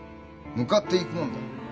向かっていくもんだ。